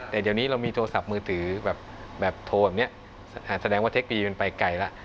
แต่เดี๋ยวนี้เรามีโทรศัพท์มือถือแบบโทรแบบนี้แสดงว่าเทคโนโลยีมันไปไกลแล้ว